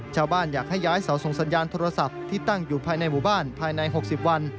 อยากให้ย้ายเสาส่งสัญญาณโทรศัพท์ที่ตั้งอยู่ภายในหมู่บ้านภายใน๖๐วัน